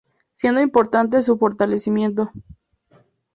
Siendo importante su fortalecimiento.